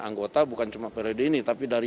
anggota bukan cuma periode ini tapi dari